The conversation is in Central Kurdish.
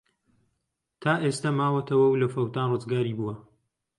تا ئێستە ماوەتەوە و لە فەوتان ڕزگاری بووە.